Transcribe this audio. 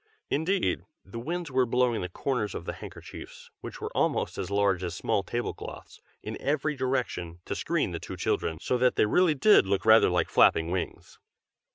(Indeed, the Winds were blowing the corners of the handkerchiefs, which were almost as large as small tablecloths, in every direction, to screen the two children, so that they really did look rather like flapping wings.)